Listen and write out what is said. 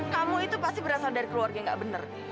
kamu itu pasti berasal dari keluarga yang gak bener